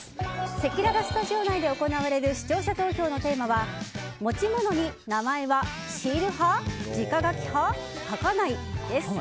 せきららスタジオ内で行われる視聴者投票のテーマは持ち物に名前はシール派・じか書き派・書かない？です。